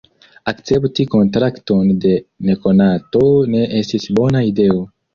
"Akcepti kontrakton de nekonato ne estis bona ideo!"